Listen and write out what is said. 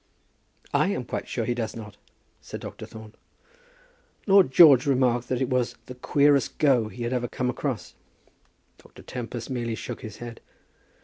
"I am quite sure he does not," said Dr. Thorne. Lord George remarked that it was the "queerest go he had ever come across." Dr. Tempest merely shook his head.